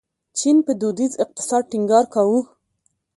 چین په دودیز اقتصاد ټینګار کاوه.